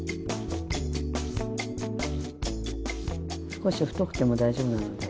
少し太くても大丈夫なので。